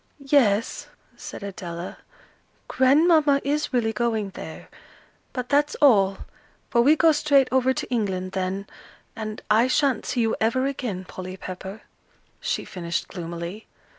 "Yes," said Adela, "Grandmamma is really going there. But that's all; for we go straight over to England then, and I sha'n't see you ever again, Polly Pepper," she finished gloomily.